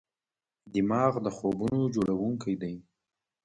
دماغ د خوبونو جوړونکی دی.